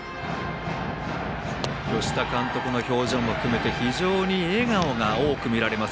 吉田監督の表情も含めて非常に笑顔が多く見られます